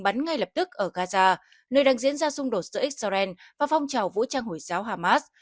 bắn ngay lập tức ở gaza nơi đang diễn ra xung đột giữa israel và phong trào vũ trang hồi giáo hamas